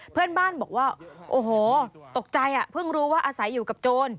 เพื่อนบ้านบอกว่าโอ้โหตกใจเพิ่งรู้ว่าอาศัยอยู่กับโจร